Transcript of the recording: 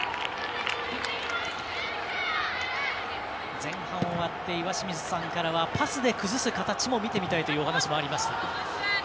前半終わって岩清水さんからはパスで崩す形も見てみたいというお話もありました。